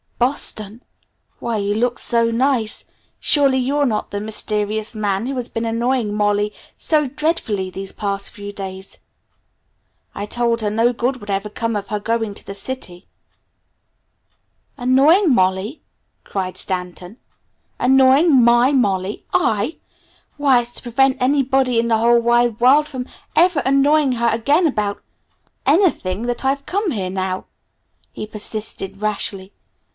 "Boston? Why you look so nice surely you're not that mysterious man who has been annoying Mollie so dreadfully these past few days. I told her no good would ever come of her going to the city." "Annoying Molly?" cried Stanton. "Annoying my Molly? I? Why, it's to prevent anybody in the whole wide world from ever annoying her again about anything, that I've come here now!" he persisted rashly.